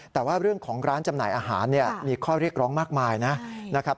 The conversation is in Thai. แต่ว่าเรื่องของร้านจำหน่ายอาหารเนี่ยมีข้อเรียกร้องมากมายนะครับ